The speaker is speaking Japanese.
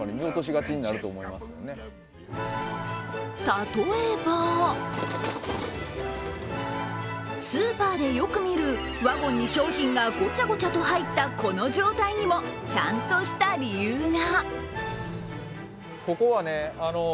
例えばスーパーでよく見る、ワゴンに商品がごちゃごちゃと入ったこの状態にも、ちゃんとした理由が。